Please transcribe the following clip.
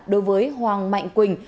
đối với hoàng mạnh quỳnh